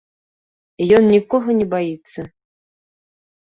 Ён нікога не баіцца!